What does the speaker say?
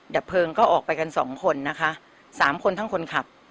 ดับเพลิงก็ออกไปกันสองคนนะคะสามคนทั้งคนขับ